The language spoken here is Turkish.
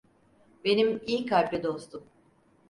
Benim iyi kalpli dostum.